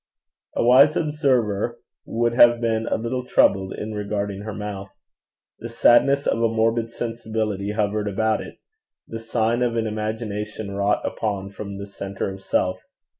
A wise observer would have been a little troubled in regarding her mouth. The sadness of a morbid sensibility hovered about it the sign of an imagination wrought upon from the centre of self.